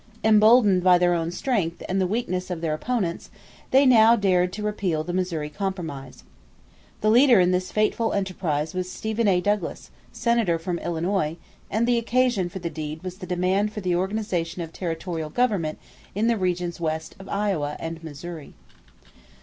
Emboldened by their own strength and the weakness of their opponents, they now dared to repeal the Missouri Compromise. The leader in this fateful enterprise was Stephen A. Douglas, Senator from Illinois, and the occasion for the deed was the demand for the organization of territorial government in the regions west of Iowa and Missouri.